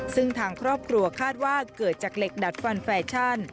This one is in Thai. ซึ่งทางครอบครัวคาดว่าเกิดจากเหล็กดัดฟันแฟชั่น